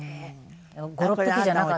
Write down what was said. ５６匹じゃなかった。